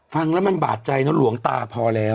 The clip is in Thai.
ฟังแล้วมันบาดใจนะหลวงตาพอแล้ว